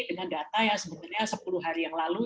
dengan data yang sebenarnya sepuluh hari yang lalu